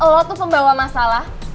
lo tuh pembawa masalah